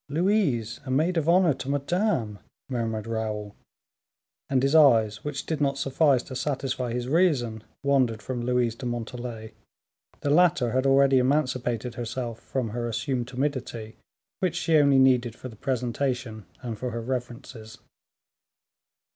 Louise a maid of honor to Madame!" murmured Raoul, and his eyes, which did not suffice to satisfy his reason, wandered from Louise to Montalais. The latter had already emancipated herself from her assumed timidity, which she only needed for the presentation and for her reverences.